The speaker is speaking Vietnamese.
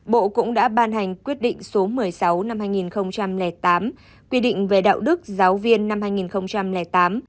bộ cũng đã ban hành quyết định số một mươi sáu năm hai nghìn tám quy định về đạo đức giáo viên năm hai nghìn tám